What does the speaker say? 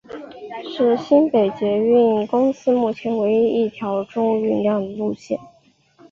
是新北捷运公司目前唯一一条中运量路线。